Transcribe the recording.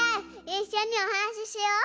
いっしょにおはなししよう！